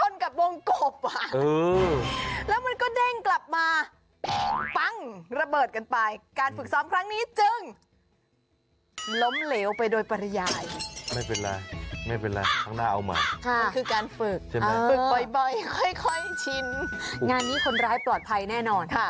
งานนี้คนร้ายปลอดภัยแน่นอน